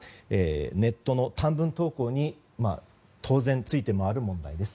ネットの短文投稿に当然ついて回る問題です。